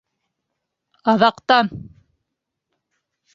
Аҙаҡтан!